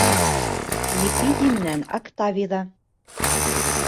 Лепидий менән Октавий ҙа.